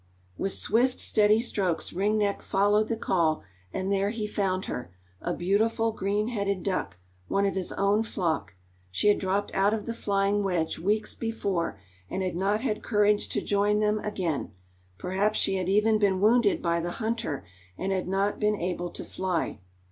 With swift, steady strokes Ring Neck followed the call, and there he found her a beautiful green headed duck, one of his own flock. She had dropped out of the flying wedge, weeks before, and had not had courage to join them again; perhaps she had even been wounded by the hunter and had not been able to fly.